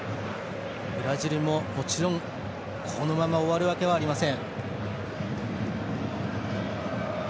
ブラジルも、もちろんこのまま終わるわけはありません。